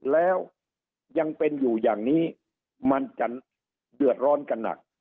แล้วยังเป็นอยู่อย่างนี้มันจะเดือดร้อนกันหนัก